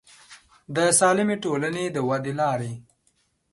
د سالمې ټولنې د ودې لارې